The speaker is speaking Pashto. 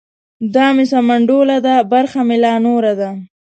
دا مې سمنډوله ده برخه مې لا نوره ده.